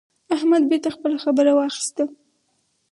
احمد بېرته خپله خبره واخيسته.